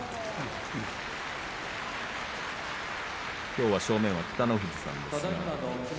きょうは正面は北の富士さんです。